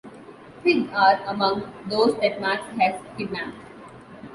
Pig are among those that Max has kidnapped.